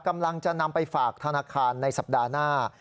กำลังจะนำไปฝากธนาคารในสัปดาห์หน้า